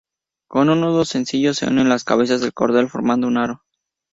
Con un nudo sencillo se unen las cabezas del cordel formando un aro.